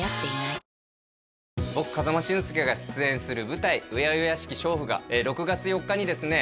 僕風間俊介が出演する舞台「恭しき娼婦」が６月４日にですね